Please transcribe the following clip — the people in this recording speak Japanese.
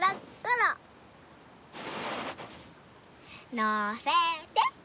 のせて。